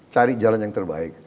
cari jalan yang terbaik